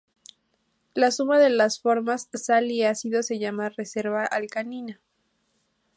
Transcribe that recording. La suma de las formas sal y ácido se llama reserva alcalina.